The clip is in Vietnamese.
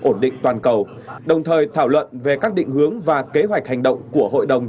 ổn định toàn cầu đồng thời thảo luận về các định hướng và kế hoạch hành động của hội đồng